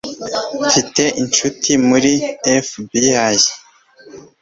mfite inshuti muri fbi